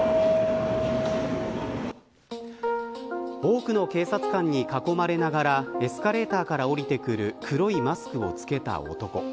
多くの警察官に囲まれながらエスカレーターから降りてくる黒いマスクを着けた男。